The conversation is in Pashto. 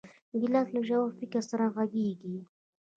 ګیلاس له ژور فکر سره غږېږي.